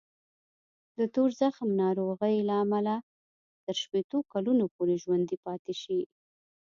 د تور زخم ناروغۍ لامل تر شپېتو کلونو پورې ژوندی پاتې شي.